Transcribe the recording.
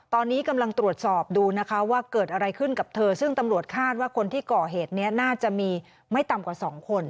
ตอนนี้กำลังตรวจสอบดูนะคะว่าเกิดอะไรขึ้นกับเธอซึ่งตำรวจคาดว่าคนที่ก่อเหตุนี้น่าจะมีไม่ต่ำกว่า๒คน